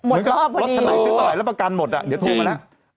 หมดรอบพอดีรับไหนไปต่อไหนรับประกันหมดอ่ะเดี๋ยวโทรมาแล้ว